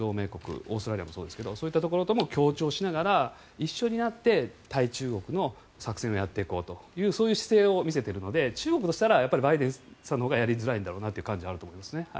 オーストラリアもそうですけどそういったところとも協調しながら一緒になって対中国の作戦をやっていこうという姿勢を見せているので中国としたらバイデンさんのほうがやりづらいという感じはあると思います。